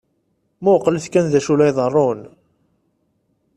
Muqlet kan d acu i la iḍeṛṛun.